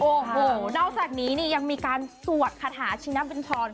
โอ้โหวนอกจากนี้นี้ยังมีการสวดคาถาชิณปัญชอนก่อน